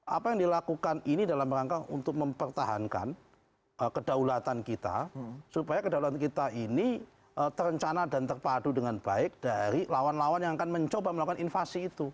apa yang dilakukan ini dalam rangka untuk mempertahankan kedaulatan kita supaya kedaulatan kita ini terencana dan terpadu dengan baik dari lawan lawan yang akan mencoba melakukan invasi itu